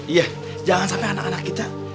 iya jangan sampai anak anak kita